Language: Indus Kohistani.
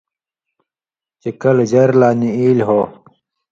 چے کلہۡ ژر لا نی ایلیۡ ہو۔